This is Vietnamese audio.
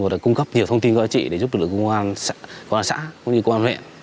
và cung cấp nhiều thông tin có đá trị để giúp được công an xã công an huyện